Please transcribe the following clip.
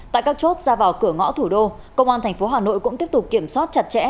tại các chốt ra vào cửa ngõ thủ đô công an thành phố hà nội cũng tiếp tục kiểm soát chặt chẽ